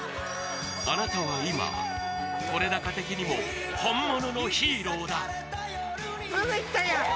あなたは今、撮れ高的にも本物のヒーローだ。